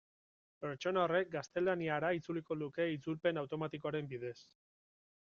Pertsona horrek gaztelaniara itzuliko luke itzulpen automatikoaren bidez.